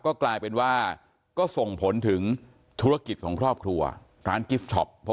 ก็กลายเป็นว่าก็ส่งผลถึงธุรกิจของครอบครัวร้านกิฟท็อป